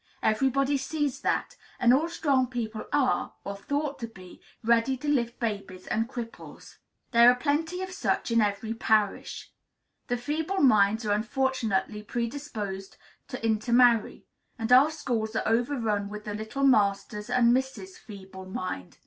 Everybody sees that; and all strong people are, or ought to be, ready to lift babies and cripples. There are plenty of such in every parish. The Feeble Minds are unfortunately predisposed to intermarry; and our schools are overrun with the little Masters and Misses Feeble Mind.